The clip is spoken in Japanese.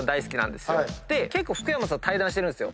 で結構福山さんと対談してるんですよ。